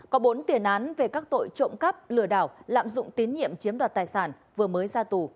có bốn tiền án về các tội trộm cắp lừa đảo lạm dụng tín nhiệm chiếm đoạt tài sản vừa mới ra tù